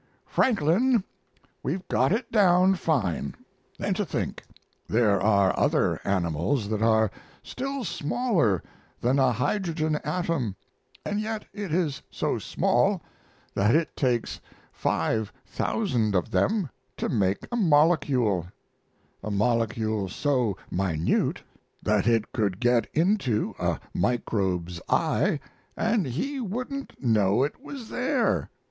"Franklin, we've got it down fine. And to think there are other animals that are still smaller than a hydrogen atom, and yet it is so small that it takes five thousand of them to make a molecule a molecule so minute that it could get into a microbe's eye and he wouldn't know it was there!"